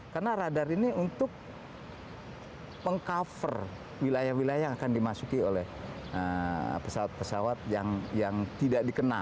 karena radar ini untuk peng cover wilayah wilayah yang akan dimasuki oleh pesawat pesawat yang tidak dikenal